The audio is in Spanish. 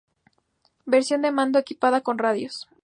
Versión de mando equipada con radios.